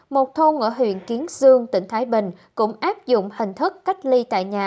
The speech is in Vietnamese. một thôn ở huyện kiến sương tỉnh thái bình cũng áp dụng hình thức cách ly tại nhà